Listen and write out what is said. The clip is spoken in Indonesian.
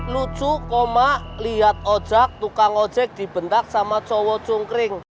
lucu koma lihat ojek tukang ojek dibentak sama cowok cungkring